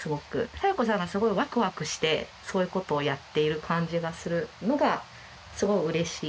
佐代子さんがすごいワクワクしてそういう事をやっている感じがするのがすごい嬉しい。